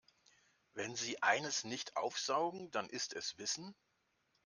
Wenn sie eines nicht aufsaugen, dann ist es Wissen.